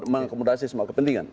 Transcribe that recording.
mengakomodasi semua kepentingan